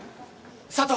佐都！